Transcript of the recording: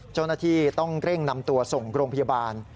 เจ้าหน้าที่ต้องเร่งนำตัวส่งโรงพยาบาล